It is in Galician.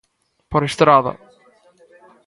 Por estrada.